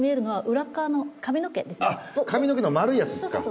髪の毛の丸いやつっすか。